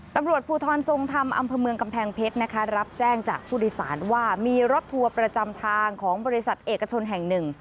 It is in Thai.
ตำรวจภูทรทรงธรรมอำเภอเมืองกำแพงเพชรนะคะรับแจ้งจากผู้โดยสารว่ามีรถทัวร์ประจำทางของบริษัทเอกชนแห่งหนึ่ง